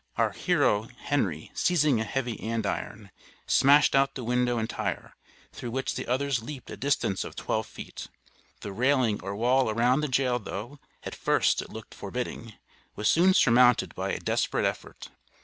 Our hero Henry, seizing a heavy andiron, smashed out the window entire, through which the others leaped a distance of twelve feet. The railing or wall around the jail, though at first it looked forbidding, was soon surmounted by a desperate effort.